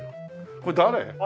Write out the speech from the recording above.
これ誰？